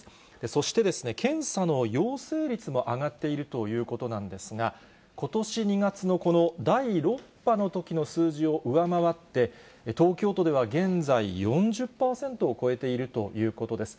そしてですね、検査の陽性率も上がっているということなんですが、ことし２月のこの第６波のときの数字を上回って、東京都では現在４０％を超えているということです。